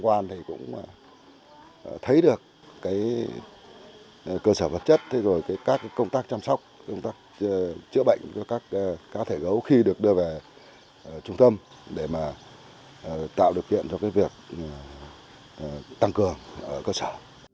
điều kiện này thì cũng thấy được cơ sở vật chất các công tác chăm sóc công tác chữa bệnh cho các cá thể gấu khi được đưa về trung tâm để tạo được kiện cho việc tăng cường cơ sở